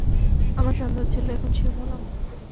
আমার সন্দেহ হচ্ছিল, এখন শিওর হলাম।